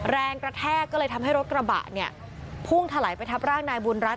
แรงกระแทกก็เลยทำให้รถกระบะเนี่ยพุ่งถลายไปทับร่างนายบุญรัฐ